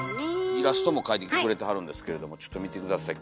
イラストも描いてきてくれてはるんですけれどもちょっと見て下さい。